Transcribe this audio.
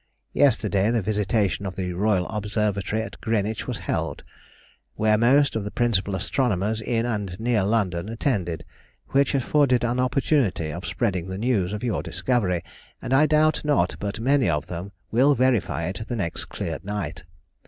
Yesterday the visitation of the Royal Observatory at Greenwich was held, where most of the principal astronomers in and near London attended, which afforded an opportunity of spreading the news of your discovery, and I doubt not but many of them will verify it the next clear night.